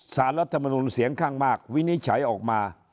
สารรัฐมนุนเสียงข้างมากวินิจฉัยออกมา